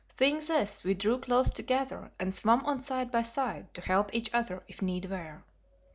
Seeing this, we drew close together and swam on side by side to help each other if need were.